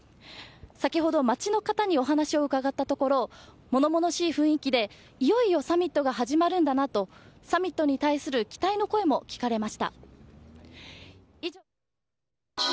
先ほど、街の方にお話を伺ったところ物々しい雰囲気でいよいよサミットが始まるんだなとサミットに対する期待の声も聞かれました。